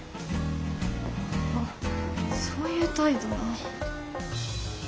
はぁそういう態度なん。